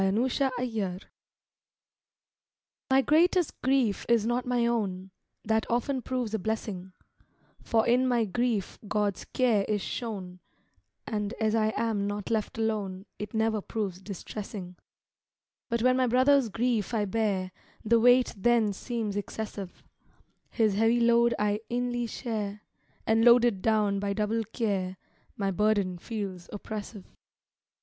OTHERS' BURDENS My greatest grief is not my own; That often proves a blessing, For in my grief God's care is shown, And as I am not left alone, It never proves distressing; But when my brother's grief I bear The weight then seems excessive; His heavy load I inly share, And loaded down by double care, My burden feels oppressive.